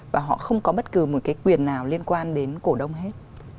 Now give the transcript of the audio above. và họ không có bất cứ một cái quyền nào liên quan đến cổ đông hết